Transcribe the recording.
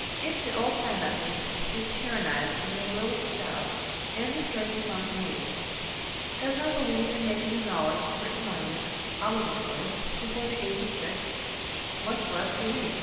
If the old time method, which tyrannized over the will of the child and destroyed his spontaneity, does not believe in making a knowledge of written language obligatory before the age of six, much less do we!